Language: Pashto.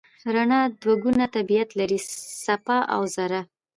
رڼا دوه ګونه طبیعت لري: څپه او ذره.